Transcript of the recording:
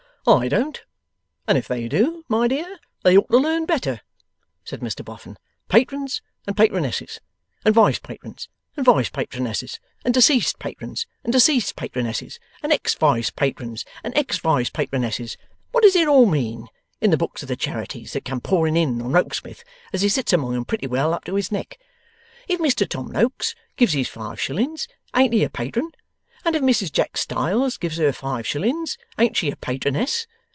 'I don't. And if THEY do, my dear, they ought to learn better,' said Mr Boffin. 'Patrons and Patronesses, and Vice Patrons and Vice Patronesses, and Deceased Patrons and Deceased Patronesses, and Ex Vice Patrons and Ex Vice Patronesses, what does it all mean in the books of the Charities that come pouring in on Rokesmith as he sits among 'em pretty well up to his neck! If Mr Tom Noakes gives his five shillings ain't he a Patron, and if Mrs Jack Styles gives her five shillings ain't she a Patroness?